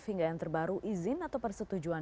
hingga yang terbaru izin atau persetujuan